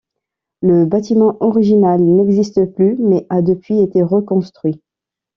Le bâtiment original n'existe plus, mais a depuis été reconstruit.